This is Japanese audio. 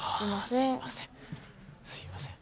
すみません。